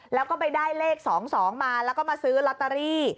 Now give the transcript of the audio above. แล้วก็ไปได้เลข๒๒มาแล้วก็มาซื้อลอตเตอรี่